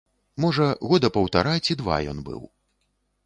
Можа, года паўтара ці два ён быў.